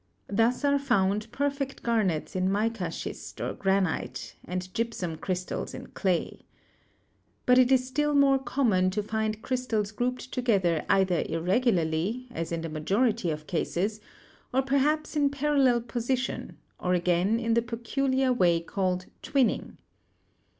Thus are found perfect garnets in mica schist or granite, and gypsum crystals in clay. But it is still more com* mon to find crystals grouped together either irregularly, as in the majority of cases, or perhaps in parallel posi tion, or again in the peculiar way called twinning.